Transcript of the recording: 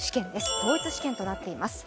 統一試験となっています。